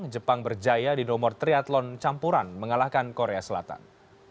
jepang berjaya di nomor triathlon campuran mengalahkan korea selatan